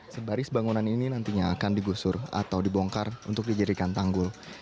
sebaris bangunan ini nantinya akan digusur atau dibongkar untuk dijadikan tanggul